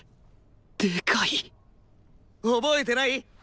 でかい覚えてない？